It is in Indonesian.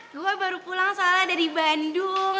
gue baru pulang soalnya ada di bandung